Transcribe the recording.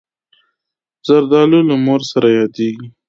زردالو له مور سره یادېږي.